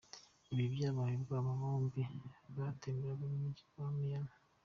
Ibi byabaye ubwo aba bombi batemberaga mu mujyi wa Miami.